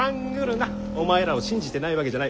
お前らを信じてないわけじゃない。